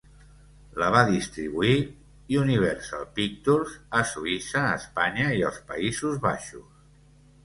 La va distribuir Universal Pictures a Suïssa, Espanya i els Països Baixos.